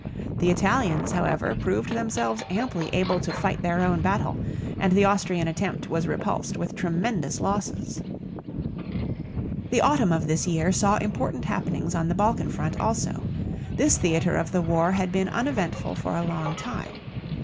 The Italians, however, proved themselves amply able to fight their own battle, and the Austrian attempt was repulsed with tremendous losses. The autumn of this year saw important happenings on the Balkan front also. This theater of the war had been uneventful for a long time.